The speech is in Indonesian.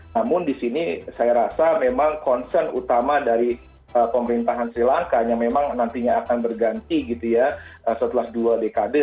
namun di sini saya rasa memang concern utama dari pemerintahan sri lanka yang memang nantinya akan berganti gitu ya setelah dua dekade